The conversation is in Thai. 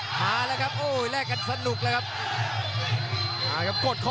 มาแล้วครับโอ้แลกกันสนุกเลยครับ